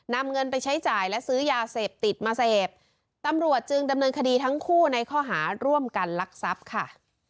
นำเงินไปใช้จ่ายและซื้อยาเสพติดมาเสพตำรวจจึงดำเนินคดีทั้งคู่ในข้อหาร่วมกันลักทรัพย์ค่ะ